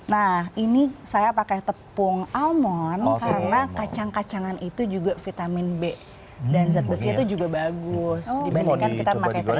nah ini saya pakai tepung almon karena kacang kacangan itu juga vitamin b dan zat besi itu juga bagus dibandingkan kita pakai kering